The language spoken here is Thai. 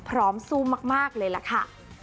พร้อมซูมมากมากเลยล่ะค่ะ